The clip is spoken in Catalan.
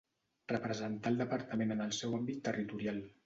Representar el Departament en el seu àmbit territorial.